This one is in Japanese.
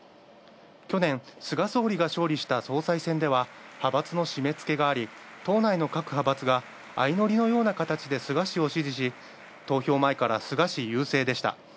去年菅総理が勝利した総裁選では、派閥の締め付けがあり党内の各派閥が相乗りのようなかたちで菅氏を支持し投票前から菅氏優勢でした。